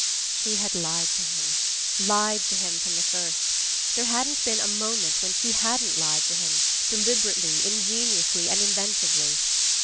She had lied to him lied to him from the first ... there hadn't been a moment when she hadn't lied to him, deliberately, ingeniously and inventively.